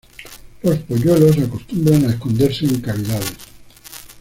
Los polluelos acostumbran esconderse en cavidades.